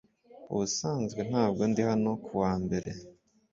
Ubusanzwe ntabwo ndi hano kuwa mbere